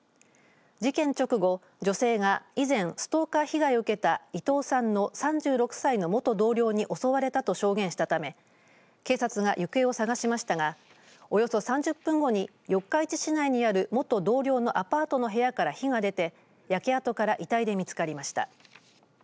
事件直後、女性が以前、ストーカー被害を受けた伊藤さんの３６歳の元同僚に襲われたと証言したため警察が行方を捜しましたがおよそ３０分後に四日市市内にある元同僚のアパートの部屋から火が出て焼け跡から遺体で見つかりました。